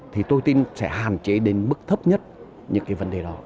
thì tôi tin sẽ hạn chế đến mức thấp nhất những cái vấn đề đó